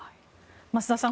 増田さん